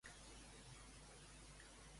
Què li planteja Arrimadas a Mas?